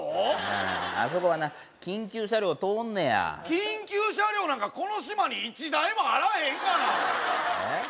あああそこはな緊急車両通んねや緊急車両なんかこの島に一台もあらへんがなおいえっ？